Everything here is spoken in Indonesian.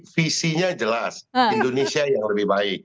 visinya jelas indonesia yang lebih baik